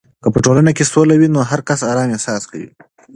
که په ټولنه کې سوله وي، نو هر کس آرام احساس کوي.